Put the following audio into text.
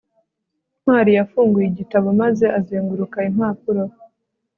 ntwali yafunguye igitabo maze azenguruka impapuro